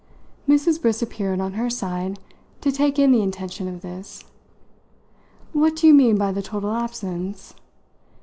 Mrs. Briss appeared, on her side, to take in the intention of this. "What do you mean by the total absence?